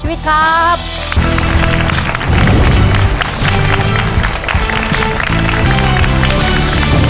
หวัดจังหวัดต่อชีวิตครับ